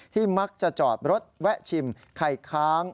มักจะจอดรถแวะชิมไข่ค้าง